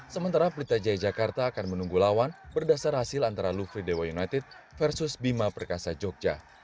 sementara pelita jaya jakarta akan menunggu lawan berdasar hasil antara lufri dewa united versus bima perkasa jogja